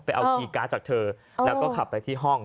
เอาคีย์การ์ดจากเธอแล้วก็ขับไปที่ห้อง